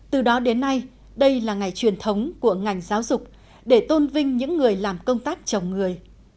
từ đó đến nay đây là ngày truyền thống của ngành giáo dục để tôn vinh những người làm công tác chồng người